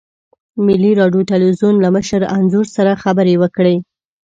ملي راډیو تلویزیون له مشر انځور سره خبرې وکړې.